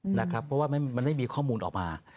เพราะว่ามันไม่มีข้อมูลออกมา